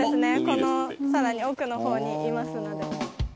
このさらに奥のほうにいますので。